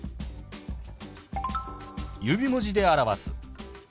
指文字で表す。